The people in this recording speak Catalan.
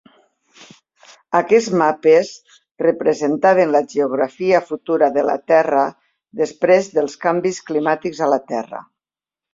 Aquests mapes representaven la geografia futura de la Terra després dels canvis climàtics a la Terra.